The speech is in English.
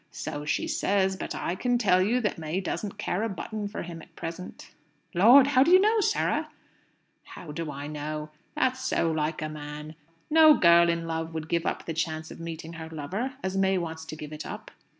"So she says. But I can tell you that May doesn't care a button for him at present." "Lord! How do you know, Sarah?" "How do I know? That's so like a man! No girl in love would give up the chance of meeting her lover, as May wants to give it up.